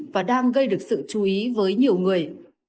và đang gây được sự chú ý với nhiều người